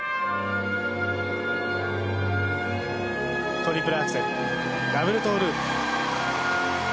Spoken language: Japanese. トリプルアクセルダブルトーループ。